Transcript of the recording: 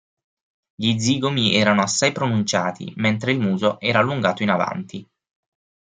Gli zigomi erano assai pronunciati, mentre il muso era allungato in avanti.